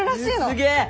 すげえ！